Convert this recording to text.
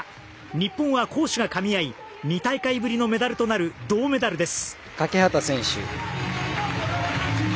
日本は攻守がかみ合い２大会ぶりのメダルとなる銅メダルです。